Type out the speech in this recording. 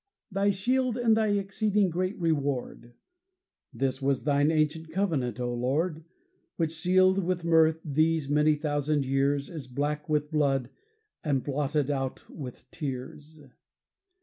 "Thy shield and thy exceeding great reward," This was thine ancient covenant, O Lord, Which, sealed with mirth, these many thousand years Is black with blood and blotted out with tears.